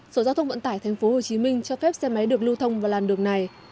sở giao thông vận tải thành phố hồ chí minh cho phép xe máy được lưu thông vào làn đường này